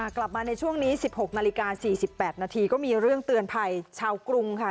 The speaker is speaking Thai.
กลับมาในช่วงนี้๑๖นาฬิกา๔๘นาทีก็มีเรื่องเตือนภัยชาวกรุงค่ะ